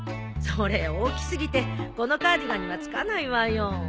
それ大き過ぎてこのカーディガンには付かないわよ。